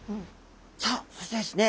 さあそしてですね